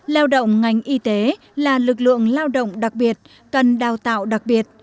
lao động ngành y tế là lực lượng lao động đặc biệt cần đào tạo đặc biệt